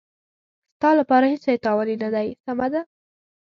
ستا لپاره هېڅ شی تاواني نه دی، سمه ده.